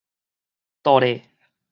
倒咧